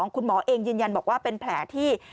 คุณหมอเองยืนยันบอกว่าเป็นแผลที่